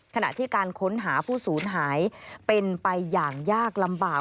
ขณะที่การค้นหาผู้สูญหายเป็นไปอย่างยากลำบาก